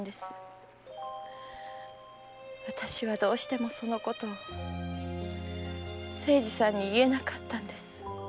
私はどうしてもそのことを清次さんに言えなかったんです。